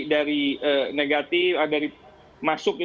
ter improvisi masuk